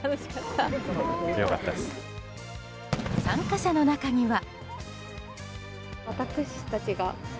参加者の中には。